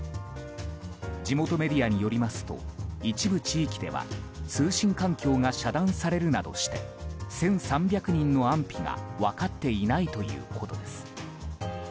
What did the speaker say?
地元メディアによりますと一部地域では通信環境が遮断されるなどして１３００人の安否が分かっていないということです。